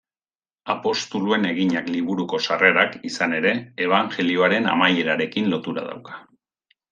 Apostoluen Eginak liburuko sarrerak, izan ere, Ebanjelioaren amaierarekin lotura dauka.